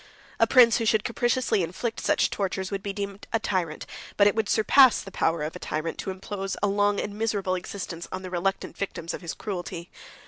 A prince, who should capriciously inflict such tortures, would be deemed a tyrant; but it would surpass the power of a tyrant to impose a long and miserable existence on the reluctant victims of his cruelty.